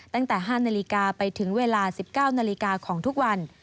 ตั้งแต่๕นาฬิกาไปถึงเวลา๑๙นาฬิกาของทุกวัน